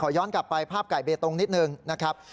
ย้อนกลับไปภาพไก่เบตงนิดนึงนะครับ